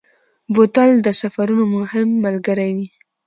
بوتل د سفرونو مهم ملګری وي.